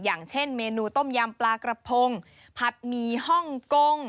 อย่างเช่นเมนูต้มยำปลากระพงผัดหมี่ฮ่องกง